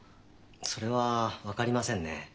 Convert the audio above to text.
それは分かりませんね。